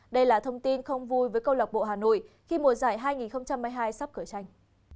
đây là thông tin không vui với câu lạc bộ hà nội khi mùa giải hai nghìn hai mươi hai sắp cửa tranh